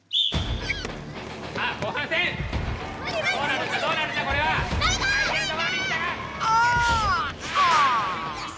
さあ後半戦どうなるんだどうなるんだこれは？ああ！ああ。